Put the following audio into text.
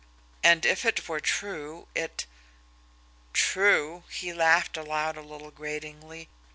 And if it were true it True! He laughed aloud a little gratingly.